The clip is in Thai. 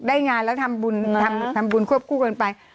ได้งานแล้วทำบุญทำบุญควบคู่กันไป